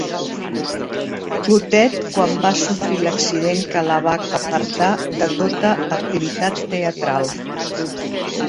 Clotet quan va sofrir l'accident que la va apartar de tota activitat teatral.